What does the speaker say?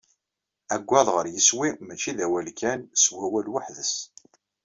Aggaḍ ɣer yiswi, mačči d awal kan, s wawal weḥd-s.